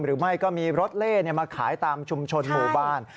หรือไม่ก็มีรถเล่มาขายตามชุมชนหมู่บ้าน